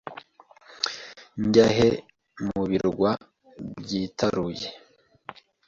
Njya he? Mu birwa byitaruye?